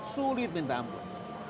sulit minta ampun